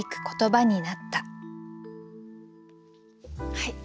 はい。